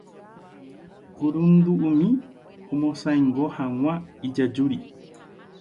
kurundu'imi omosãingo hag̃ua ijajúri